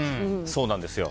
そうなんですよ。